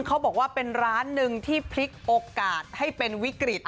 เขาบอกว่าเป็นร้านหนึ่งที่พลิกโอกาสให้เป็นวิกฤต